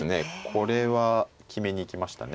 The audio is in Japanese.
これは決めに行きましたね。